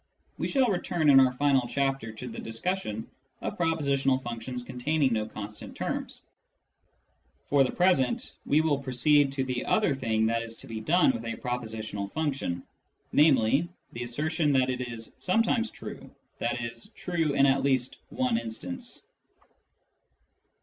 We shall return in our final chapter to the discussion of propositional functions containing no constant terms. For the present we will proceed to the other thing that is to be done with a propositional function, namely, the assertion that it is " sometimes true," i.e. true in at least one instance.